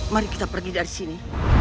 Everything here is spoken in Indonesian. mari kita pergi dari sini